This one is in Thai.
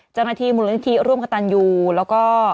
เจ้าหน้าที่มูลนิธิร่วมกับตันยูแล้วก็